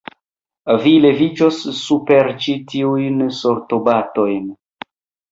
Vi leviĝos super ĉi tiujn sortobatojn.